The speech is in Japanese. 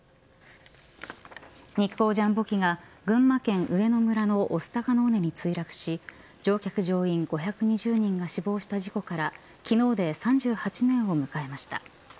日航ジャンボ機が群馬県上野村の御巣鷹の尾根に墜落し乗客乗員５２０人が死亡した事故から昨日で３８年を迎えました。